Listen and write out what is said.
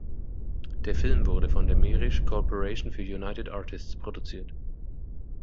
Der Film wurde von der Mirisch Corporation für United Artists produziert.